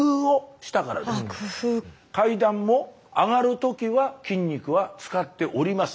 階段を上がるときは筋肉は使っております